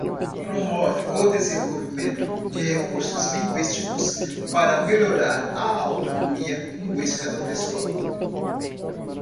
Promove o desenvolvimento de recursos linguísticos para melhorar a autonomia linguística do pessoal.